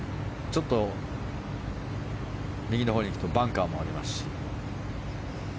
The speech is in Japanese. ちょっと右のほうへ行くとバンカーもありますし。